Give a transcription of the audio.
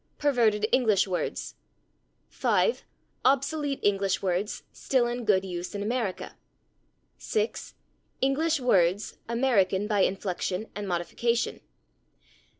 Perverted English words. 5. Obsolete English words still in good use in America. 6. English words, American by inflection and modification.